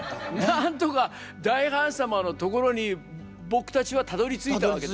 なんとか大ハーン様のところに僕たちはたどりついたわけですよ。